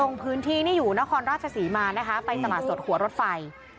ลงพื้นที่นี่อยู่นครราชศรีมานะคะไปตลาดสดหัวรถไฟ